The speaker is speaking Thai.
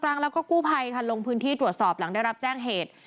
รังแล้วก็กู้ภัยค่ะลงพื้นที่ตรวจสอบหลังได้รับแจ้งเหตุ